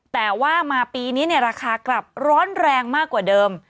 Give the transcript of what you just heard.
แต่ว่ามาปีนี้ราคากลับร้อนแรงมากกว่าเดิม